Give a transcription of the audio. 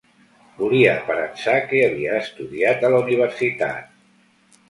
Volia aparençar que havia estudiat a la universitat.